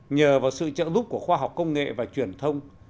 nhờ vào sự trợ giúp của khoa học công nghệ và truyền thông